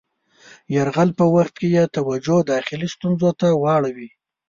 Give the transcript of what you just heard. یرغل په وخت کې یې توجه داخلي ستونزو ته واړوي.